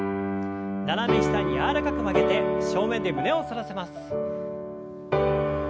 斜め下に柔らかく曲げて正面で胸を反らせます。